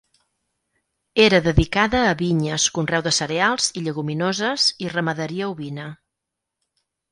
Era dedicada a vinyes, conreu de cereals i lleguminoses i ramaderia ovina.